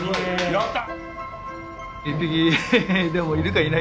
やった！